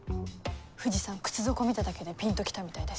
藤さん靴底見ただけでピンと来たみたいです。